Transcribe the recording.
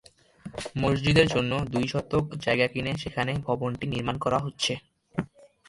মসজিদের জন্য দুই শতক জায়গা কিনে সেখানে ভবনটি নির্মাণ করা হচ্ছে।